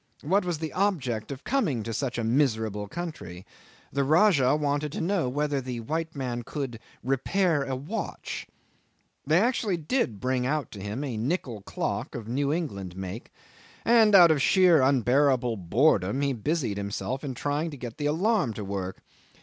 What was the object of coming to such a miserable country? The Rajah wanted to know whether the white man could repair a watch?" They did actually bring out to him a nickel clock of New England make, and out of sheer unbearable boredom he busied himself in trying to get the alarum to work.